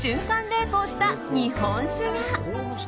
冷凍した日本酒が。